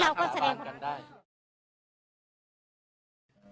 เราก็แสดงความบริสุทธิ์ใจ